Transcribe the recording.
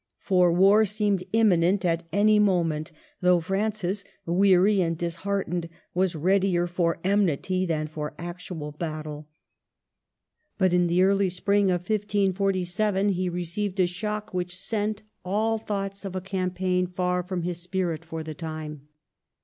For war seemed imminent at any moment, though Francis, weary and disheartened, was readier for enmity than for actual battle; but in the early spring of 1549 he received a shock which sent all thoughts of a campaign far from his spirit for the time.